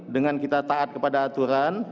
dengan kita taat kepada aturan